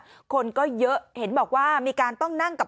คนก็เยอะเห็นบอกว่ามีการต้องนั่งกับ